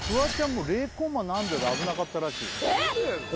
もう０コンマ何秒で危なかったらしいえっそうなの？